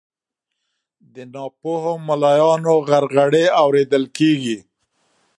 د ناپوهو ملایانو غرغړې اورېدل کیږي